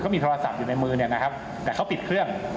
มีโทรศัพท์อยู่ในมือเนี่ยนะครับแต่เขาปิดเครื่อง